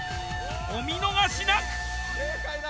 お見逃し無く！